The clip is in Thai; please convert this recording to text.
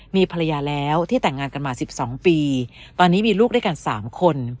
มีภรรยาแล้วที่แต่งงานกันมา๑๒ปีตอนนี้มีลูกด้วยกัน๓คน